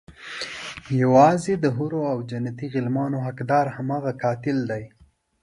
يوازې د حورو او جنتي غلمانو حقدار هماغه قاتل دی.